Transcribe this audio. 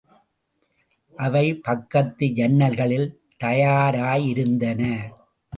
அவை பக்கத்து ஜன்னல்களில் தயாராயிருந்தன.